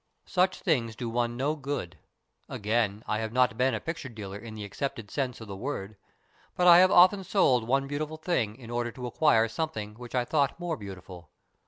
"Such things do one no good. Again, I have not been a picture dealer in the accepted sense of the word, but I have often sold one beautiful thing in order to acquire something which I thought more beautiful.